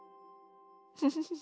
フフフフ。